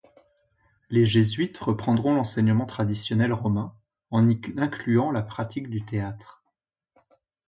Les jésuites reprendront l'enseignement traditionnel romain, en y incluant la pratique du théâtre.